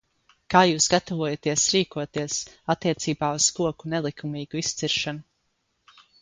Kā jūs gatavojaties rīkoties attiecībā uz koku nelikumīgu izciršanu?